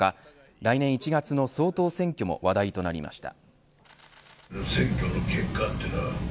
来年１月の総統選挙も話題となりました。